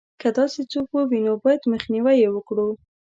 که داسې څوک ووینو باید مخنیوی یې وکړو.